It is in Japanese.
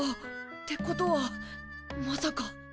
ってことはまさか！